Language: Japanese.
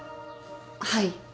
はい。